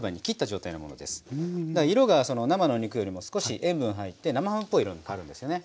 色が生の肉よりも少し塩分入って生ハムっぽい色に変わるんですよね。